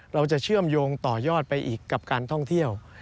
เราจะเชื่อมโยงต่อยอดไปอีกกับการท่องเที่ยว